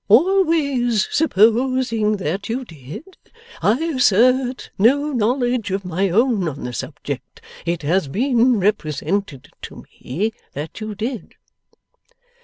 Always supposing that you did; I assert no knowledge of my own on the subject; it has been represented to me that you did.